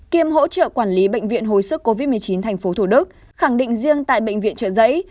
kiêm hỗ trợ quản lý bệnh viện hồi sức covid một mươi chín tp thủ đức khẳng định riêng tại bệnh viện trợ giấy